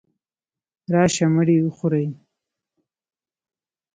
راشئ مړې وخورئ.